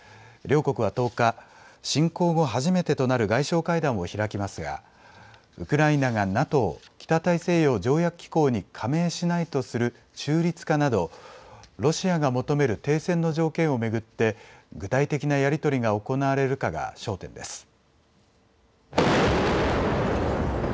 両国は１０日、侵攻後初めてとなる外相会談を開きますがウクライナがＮＡＴＯ・北大西洋条約機構に加盟しないとする中立化などロシアが求める停戦の条件を巡って具体的なやり取りが行われるかが焦点です。